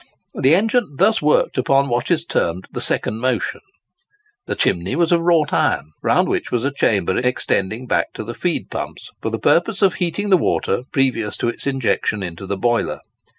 The engine thus worked upon what is termed the second motion. The chimney was of wrought iron, round which was a chamber extending back to the feed pumps, for the purpose of heating the water previous to its injection into the boiler.